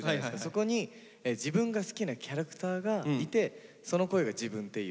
そこに自分が好きなキャラクターがいてその声が自分っていう。